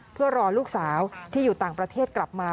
เพื่อรอลูกสาวที่อยู่ต่างประเทศกลับมา